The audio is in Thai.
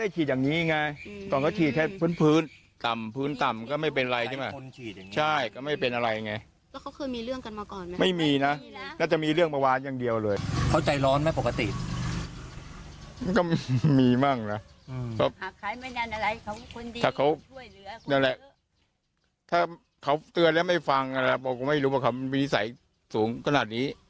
ถ้าเขาเตือนแล้วไม่ฟังนะครับผมก็ไม่รู้ว่าเขามีนิสัยสูงขนาดนี้